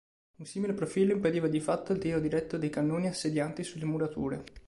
Un simile profilo impediva di fatto il tiro diretto dei cannoni assedianti sulle murature.